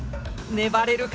粘れるか？